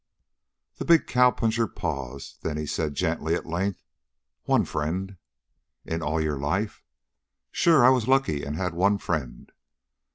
The big cowpuncher paused. Then he said gently at length, "One friend." "In all your life?" "Sure! I was lucky and had one friend."